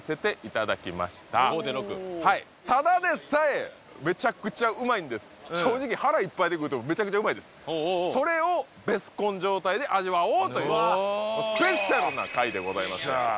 はいただでさえめちゃくちゃうまいんです正直腹いっぱいで食うてもめちゃくちゃうまいですそれをベスコン状態で味わおうというでございます